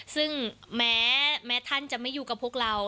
ซึ่งแม้ท่านจะไม่อยู่กับพวกเรา